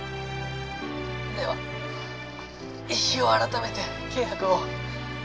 では日を改めて契約を。